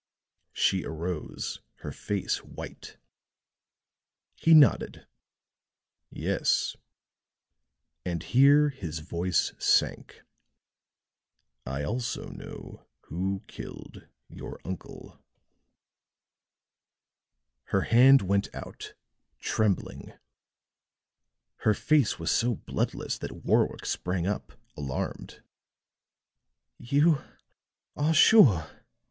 She arose, her face white. He nodded. "Yes;" and here his voice sank. "I also know who killed your uncle." Her hand went out, trembling; her face was so bloodless that Warwick sprang up, alarmed. "You are sure?"